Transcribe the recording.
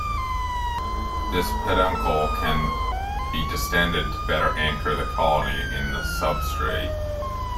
This peduncle can be distended to better anchor the colony in the substrate.